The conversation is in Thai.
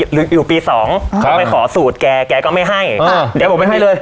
หรืออยู่ปี๒เขาไปขอสูตรแกแกก็ไม่ให้เดี๋ยวผมไปให้เลย